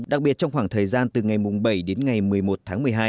đặc biệt trong khoảng thời gian từ ngày bảy đến ngày một mươi một tháng một mươi hai